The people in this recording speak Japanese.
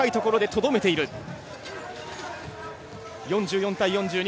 ４４対４２。